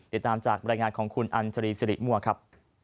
ติดตามจากบรรยายงานของคุณอัญชรีสิริมั่วครับ